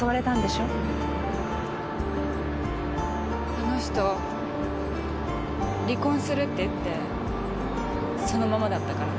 あの人離婚するって言ってそのままだったから。